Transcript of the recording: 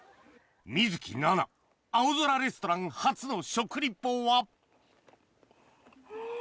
水樹奈々『青空レストラン』初の食リポはうん。